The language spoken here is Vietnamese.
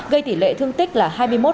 gây tỷ lệ thương tích là hai mươi một